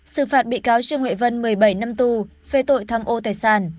sự phạt bị cáo trương huệ vân một mươi bảy năm tù về tội thăm ô tài sản